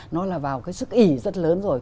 nó là vào cái sức ỉ rất lớn rồi